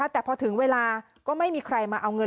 แต่พอถึงเวลาก็ไม่มีใครมาเอาเงิน